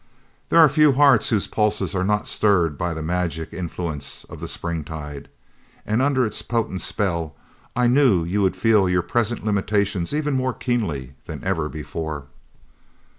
There are few hearts whose pulses are not stirred by the magic influence of the springtide, and under its potent spell I knew you would feel your present limitations even more keenly than ever before."